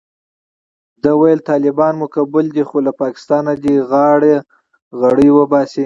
ده ویل طالبان مو قبول دي خو له پاکستانه دې غاړه غړۍ وباسي.